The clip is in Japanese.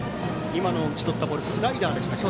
今の打ち取ったボールはスライダーでした。